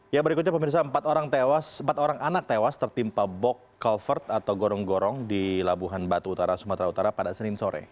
ya berikutnya pemirsa empat orang anak tewas tertimpa bok culvert atau gorong gorong di labuan batu utara sumatera utara pada senin sore